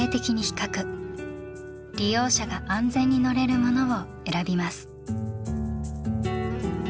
利用者が安全に乗れるものを選びます。